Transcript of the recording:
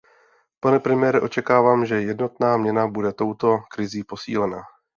Pane premiére, očekávám, že jednotná měna bude touto krizí posílena.